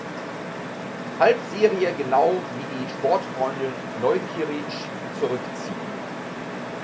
Halbserie genau wie die Sportfreunde Neukieritzsch zurückziehen.